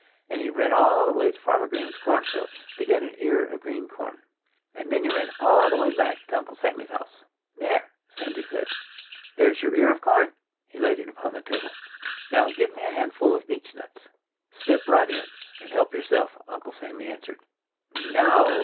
And he ran all the way to Farmer Green's cornfield, to get an ear of green corn. And then he ran all the way back to Uncle Sammy's house. "There!" Sandy said. "There's your ear of corn!" He laid it upon the table. "Now give me a handful of beechnuts." "Step right in and help yourself," Uncle Sammy answered. "No!"